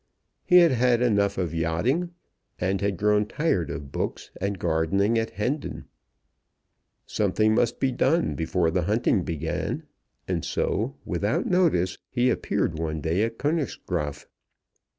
He had had enough of yachting, and had grown tired of books and gardening at Hendon. Something must be done before the hunting began, and so, without notice, he appeared one day at Königsgraaf.